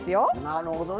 なるほどね。